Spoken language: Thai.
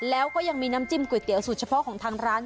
แล้วก็ยังมีน้ำจิ้มก๋วยเตี๋ยสูตรเฉพาะของทางร้าน